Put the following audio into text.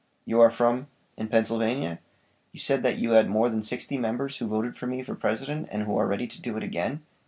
You are from , in Pennsylvania? You said that you had more than sixty members who voted for me for President, and who are ready to do it again"?